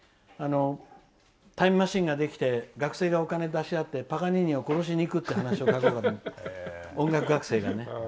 僕はタイムマシンができて学生がお金を出しあってパガニーニを殺しにいくという話を音楽学生がね。